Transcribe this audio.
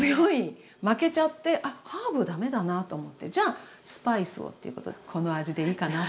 負けちゃってあハーブ駄目だなと思ってじゃあスパイスをということでこの味でいいかなと。